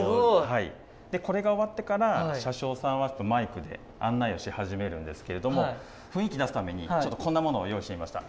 これが終わってから車掌さんがマイクで案内し始めるんですけれども雰囲気出すためにこんなものを用意してみました。